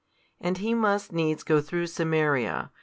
4, 5 And He must needs go through Samaria.